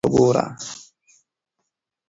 د بازار بدلون ته په ځیر سره ګوره.